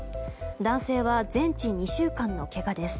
男性は全治２週間のけがです。